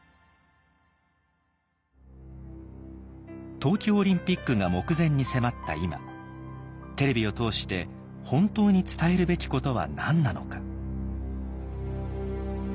「東京オリンピックが目前に迫った今テレビを通して本当に伝えるべきことは何なのか」。